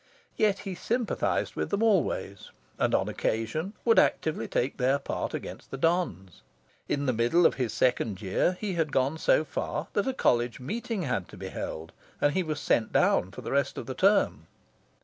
Yet he sympathised with them always, and, on occasion, would actively take their part against the dons. In the middle of his second year, he had gone so far that a College Meeting had to be held, and he was sent down for the rest of term.